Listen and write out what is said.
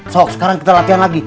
sok sekarang kita latihan lagi